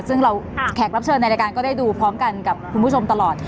ซึ่งเราแขกรับเชิญในรายการก็ได้ดูพร้อมกันกับคุณผู้ชมตลอด